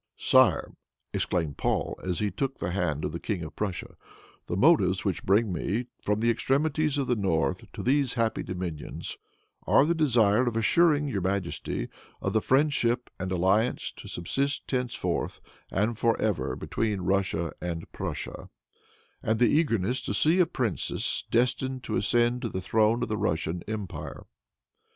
"Sire," exclaimed Paul, as he took the hand of the King of Prussia, "the motives which bring me from the extremities of the North to these happy dominions, are the desire of assuring your majesty of the friendship and alliance to subsist henceforth and for ever between Russia and Prussia, and the eagerness to see a princess destined to ascend the throne of the Russian empire.